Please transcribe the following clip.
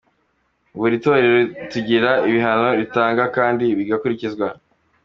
Buri Torero rigira ibihano ritanga kandi bigakurikizwa.